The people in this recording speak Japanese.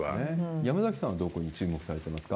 山崎さんはどこに注目されてますか？